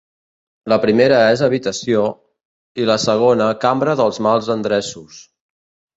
La primera és habitació; i la segona cambra dels mals endreços.